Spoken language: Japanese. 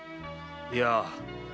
いや。